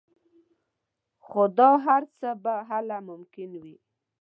خو دا هر څه به هله ممکن وي